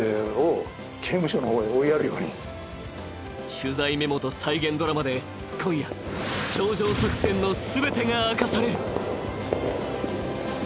取材メモと再現ドラマで今夜、頂上作戦の全てが明かされる。